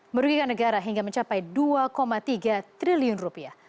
merugikan negara hingga mencapai dua tiga triliun rupiah